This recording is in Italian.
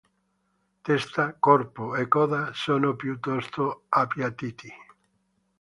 Testa, corpo e coda sono piuttosto appiattiti.